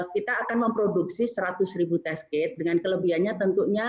kita akan memproduksi seratus ribu test kit dengan kelebihannya tentunya